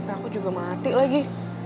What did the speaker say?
aku juga mati lagi